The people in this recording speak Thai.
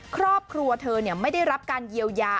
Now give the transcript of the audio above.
ครอบครัวเธอไม่ได้รับการเยียวยา